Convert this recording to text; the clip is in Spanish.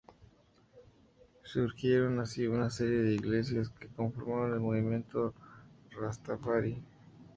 Surgieron así una serie de Iglesias que conforman el Movimiento rastafari.